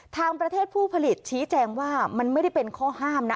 ทางประเทศผู้ผลิตชี้แจงว่ามันไม่ได้เป็นข้อห้ามนะ